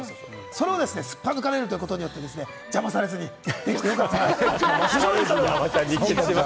それをすっぱ抜かれることによって邪魔されずにできてよかったと思う。